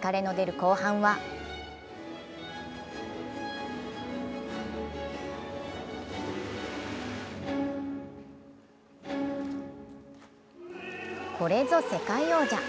疲れの出る後半はこれぞ世界王者。